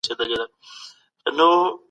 د کابل نیول ولي مهم وو؟